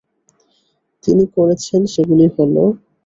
তিনি করেছেন সেগুলি হলো: